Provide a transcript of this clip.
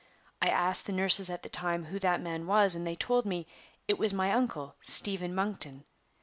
I asked the nurses at the time who that man was, and they told me it was my uncle, Stephen Monkton.